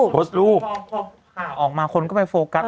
โพสต์รูปข่าวออกมาคนก็ไปโฟกัส